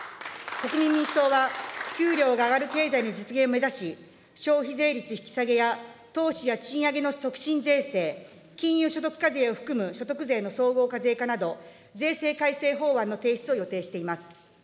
国民民主党は給料が上がる経済の実現を目指し、消費税率引き下げや投資や賃上げの促進税制、金融所得課税を含む所得税の総合課税化など、税制改正法案の提出を予定しています。